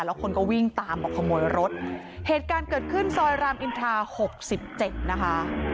แล้วคนก็วิ่งตามมาขโมยรถเหตุการณ์เกิดขึ้นซอยรามอินทราหกสิบเจ็ดนะคะ